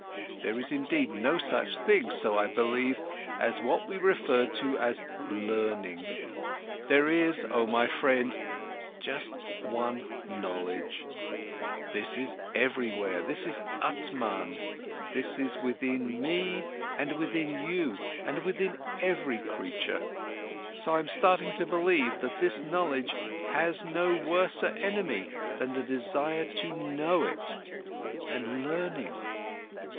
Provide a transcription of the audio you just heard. There is indeed no such thing, so I believe, as what we refer to as 'learning'. There is, oh my friend, just one knowledge, this is everywhere, this is Atman, this is within me and within you and within every creature. And so I'm starting to believe that this knowledge has no worser enemy than the desire to know it, than learning."